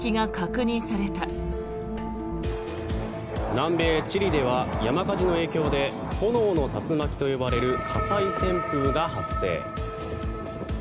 南米チリでは山火事の影響で炎の竜巻と呼ばれる火災旋風が発生。